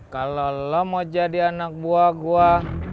kalau lo mau jadi anak buah gue